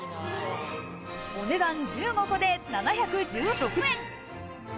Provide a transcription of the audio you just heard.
お値段１５個で７１６円。